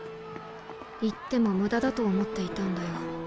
言っても無駄だと思っていたんだよ。